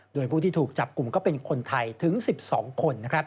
โดยผู้ที่ถูกจับกลุ่มก็เป็นคนไทยถึง๑๒คน